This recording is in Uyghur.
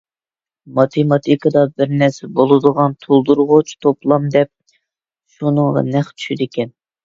ماتېماتىكىدا بىر نەرسە بولىدىغان تولدۇرغۇچى توپلام دەپ، شۇنىڭغا نەق چۈشىدىكەن.